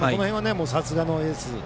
さすがのエース。